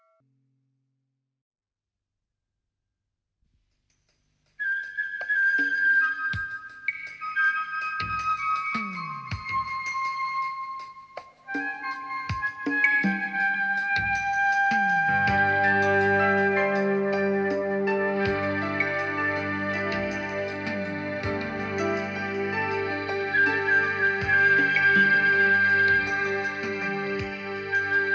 aku selalu ingin menginginkanmu